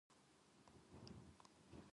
日本人は麺を啜るのが上手だ